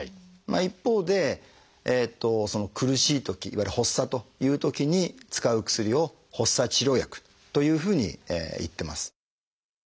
一方で苦しいときいわゆる発作というときに使う薬を「発作治療薬」というふうにいってます。